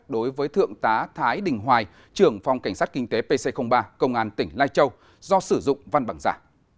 đối với thượng tá thái đình hoài trưởng phòng cảnh sát kinh tế pc ba công an tỉnh lai châu do sử dụng văn bằng giả